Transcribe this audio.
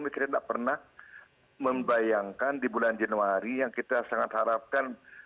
kita tidak pernah membayangkan di bulan januari yang kita sangat harapkan